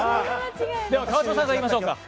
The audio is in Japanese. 川島さんからいきましょうか。